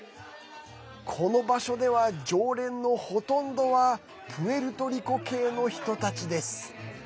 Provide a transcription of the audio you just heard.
この場所では、常連のほとんどはプエルトリコ系の人たちです。